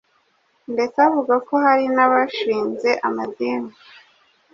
ndetse avuga ko hari n’abashinze amadini